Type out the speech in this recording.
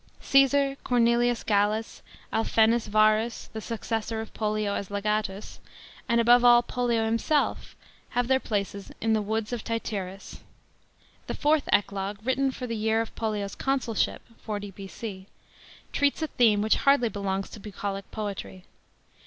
Caesar, Cornelius Gallus, Alfenus Varus (the successor of Pollio as legatus), and above all, Pollio himself, have their places in the woods of Tityrus. The fourth Eclogue, written for the year of Pollio's consulship (40 B.C.), treats a theme which hardly belongs to bucolic poetry.